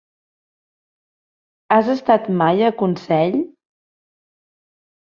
Has estat mai a Consell?